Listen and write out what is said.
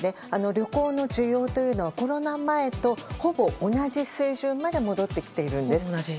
旅行の需要はコロナ前とほぼ同じ水準まで戻ってきているんです。